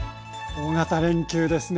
大型連休ですね。